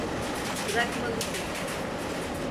Bırakmalısın.